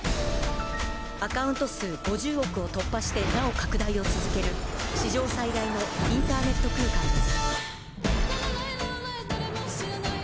アカウント数５０億を突破して、なお拡大を続ける史上最大のインターネット空間です。